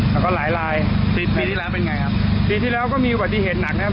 แล้วก็หลายลายปีที่แล้วเป็นไงครับปีที่แล้วก็มีอุบัติเหตุหนักนะครับ